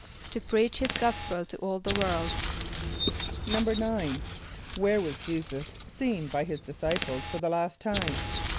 =To preach his gospel to all the world.= =9.= Where was J[=e]´[s+]us seen by his disciples for the last time?